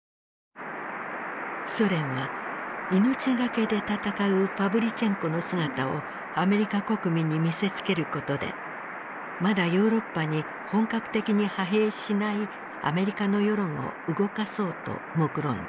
ソ連は命懸けで戦うパヴリチェンコの姿をアメリカ国民に見せつけることでまだヨーロッパに本格的に派兵しないアメリカの世論を動かそうともくろんだ。